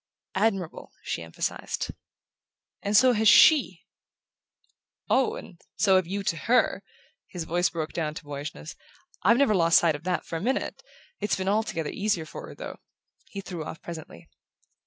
"Admirable," she emphasized. "And so has SHE." "Oh, and so have you to HER!" His voice broke down to boyishness. "I've never lost sight of that for a minute. It's been altogether easier for her, though," he threw off presently.